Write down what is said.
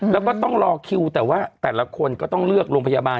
แล้วก็ต้องรอคิวแต่ว่าแต่ละคนก็ต้องเลือกโรงพยาบาล